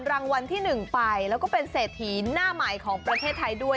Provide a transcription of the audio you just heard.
รางวัลที่๑ไปแล้วก็เป็นเศรษฐีหน้าใหม่ของประเทศไทยด้วย